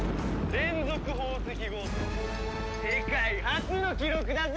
連続宝石強盗世界初の記録だぜ！